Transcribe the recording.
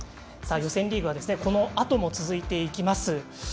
予選リーグはこのあとも続いていきます。